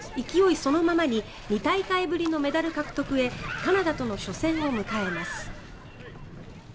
そのままに２大会ぶりのメダル獲得へカナダとの初戦を迎えます。